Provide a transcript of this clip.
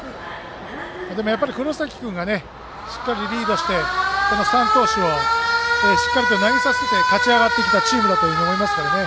でも黒崎君がしっかり、リードしてこの３投手をしっかりと投げさせて勝ち上がってきたチームだと思いますからね。